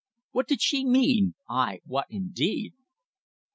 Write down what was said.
What did she mean? Aye, what, indeed?